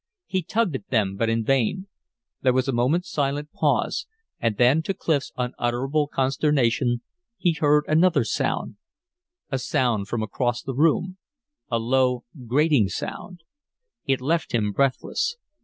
He tugged at them, but in vain. There was a moment's silent pause. And then to Clif's unutterable consternation he heard another sound, a sound from across the room a low, grating sound! It left him breathless.